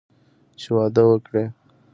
چې واده وکړي.